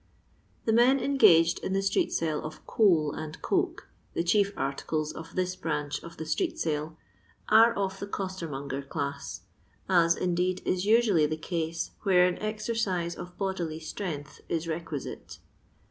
The men engaged in the street sale of coal and coke — ^the chief articles of this branch of the ttreeteale — are of the costermonger class, as, in deed, is usually the case where an exercise of bodily strength is requisite.